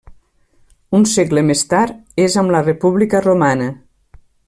Un segle més tard, és amb la República Romana.